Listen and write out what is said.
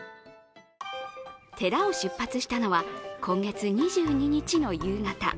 寺を出発したのは今月２２日の夕方。